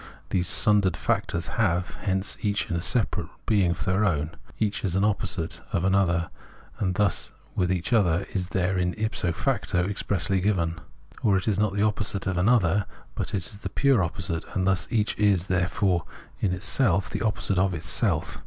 These sundered factors have, hence, each a separate being of their own ; each is an opposite— of an other ; and thus with each the other is therein if so facto expressly given ; or it is not the opposite of an other, but only the pure opposite ; and thus each is, therefore, in itself the opposite of itself.